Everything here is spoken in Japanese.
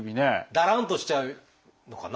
だらんとしちゃうのかな？